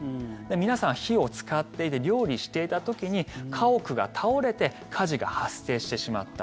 皆さん、火を使っていて料理していた時に家屋が倒れて火事が発生してしまった。